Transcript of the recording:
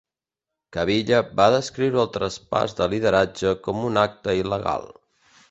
Cavilla va descriure el traspàs de lideratge com un acte il·legal.